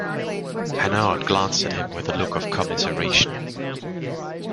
Hanaud glanced at him with a look of commiseration.